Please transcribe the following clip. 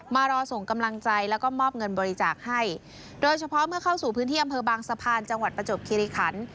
รอส่งกำลังใจแล้วก็มอบเงินบริจาคให้โดยเฉพาะเมื่อเข้าสู่พื้นที่อำเภอบางสะพานจังหวัดประจบคิริขัน